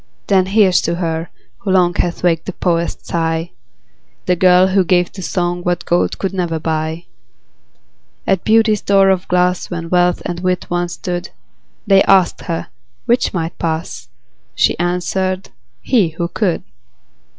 Then here's to her, who long Hath waked the poet's sigh, The girl who gave to song What gold could never buy. At Beauty's door of glass, When Wealth and Wit once stood, They asked her 'which might pass?" She answered, "he, who could."